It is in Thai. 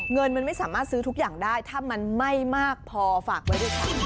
เงินมันไม่สามารถซื้อทุกอย่างได้ถ้ามันไม่มากพอฝากไว้ด้วยค่ะ